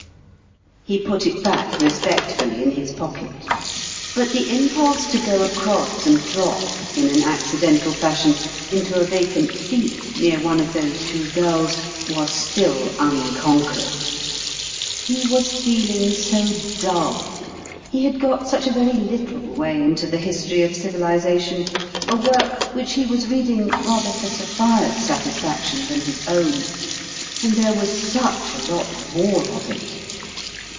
He put it back respectfully in his pocket ; but the impulse to go across and drop, in an accidental fashion, into a vacant seat near one of those two girls was still unconquered. He was feeling so dull ; he had got such a very little way into the History of Civilization, a work which he was reading rather for Sophia's satisfaction than his own, arid there was such a lot more of it